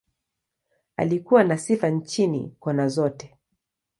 Alikuwa na sifa nchini, kona zote.